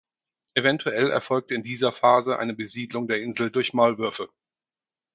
Eventuell erfolgte in dieser Phase eine Besiedlung der Insel durch Maulwürfe.